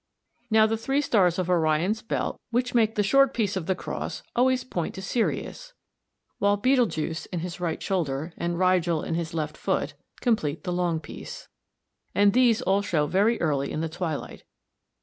Now the three stars of Orion's belt which make the short piece of the cross always point to Sirius, while Betelgeux in his right shoulder, and Rigel in his left foot (see Figs. 54 and 55), complete the long piece, and these all show very early in the twilight.